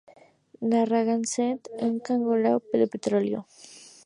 Narragansett, un carguero de petróleo.